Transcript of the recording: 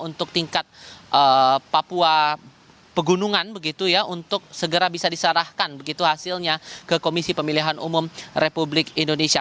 untuk tingkat papua pegunungan begitu ya untuk segera bisa diserahkan begitu hasilnya ke komisi pemilihan umum republik indonesia